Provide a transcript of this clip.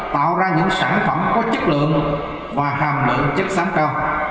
tạo ra những sản phẩm có chất lượng và hàm lượng chất xám cao